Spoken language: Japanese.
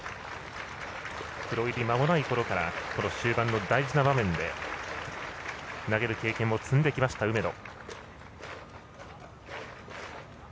プロ入りまもないころからこの終盤の大事な場面で投げる経験も積んできました、梅野。